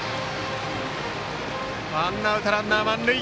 ワンアウトランナー、満塁。